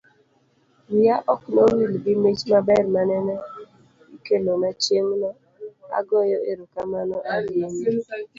wiya ok no wil gi mich maber manene ikelona chieng'no. agoyo erokamano ahinya